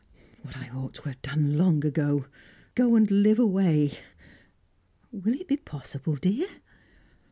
"What I ought to have done long ago go and live away " "Will it be possible, dear?"